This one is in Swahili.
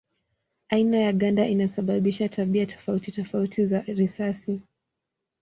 Aina ya ganda inasababisha tabia tofauti tofauti za risasi.